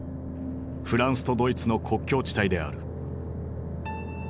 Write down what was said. フランスとドイツの国境地帯である。